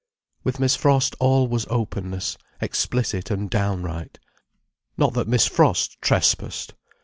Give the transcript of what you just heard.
With Miss Frost all was openness, explicit and downright. Not that Miss Frost trespassed.